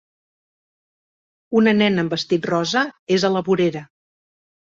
Una nena amb un vestit rosa és a la vorera.